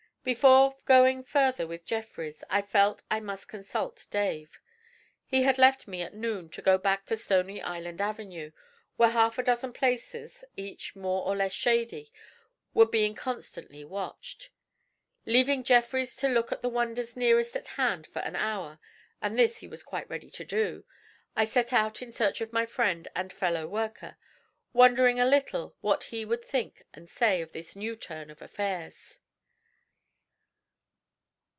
Before going further with Jeffrys I felt that I must consult Dave. He had left me at noon to go back to Stony Island Avenue, where half a dozen places, each more or less 'shady,' were being constantly watched. Leaving Jeffrys to look at the wonders nearest at hand for an hour, and this he was quite ready to do, I set out in search of my friend and fellow worker, wondering a little what he would think and say of this new turn of affairs.